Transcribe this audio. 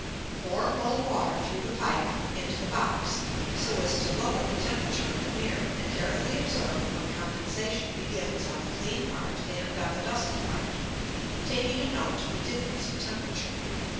Pour cold water through the pipe into the box, so as to lower the temperature of the mirror, and carefully observe when condensation begins on the clean part and on the dusty part, taking a note of the difference of temperature.